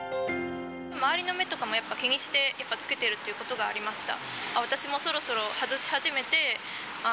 周りの目とかもやっぱり気にして、やっぱ着けてるってことがありました。